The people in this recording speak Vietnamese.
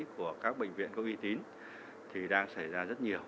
của các bệnh viện có uy tín thì đang xảy ra rất nhiều